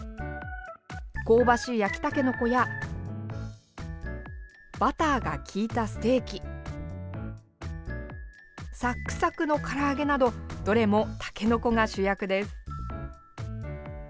香ばしい焼きたけのこやバターが利いたステーキ、さくさくのから揚げなどどれもたけのこが主役です。